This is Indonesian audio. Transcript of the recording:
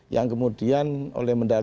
yang kemudian oleh menteri